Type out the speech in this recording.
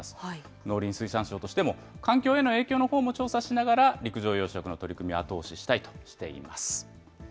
農林水産省としても、環境への影響も調査しながら、陸上養殖の取り組み後押ししたいとしています。